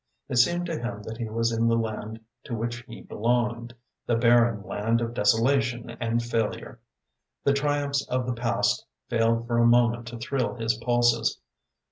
It seemed to him that he was in the land to which he belonged, the barren land of desolation and failure. The triumphs of the past failed for a moment to thrill his pulses.